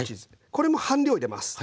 これも半量入れます。